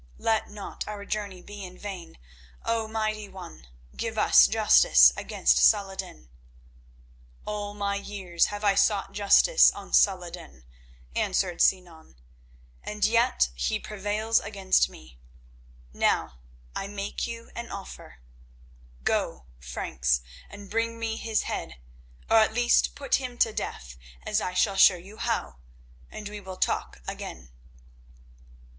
Let not our journey be in vain. O mighty One, give us justice against Salah ed din." "All my years have I sought justice on Salah ed din," answered Sinan, "and yet he prevails against me. Now I make you an offer. Go, Franks, and bring me his head, or at least put him to death as I shall show you how, and we will talk again."